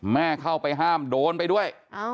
เข้าไปห้ามโดนไปด้วย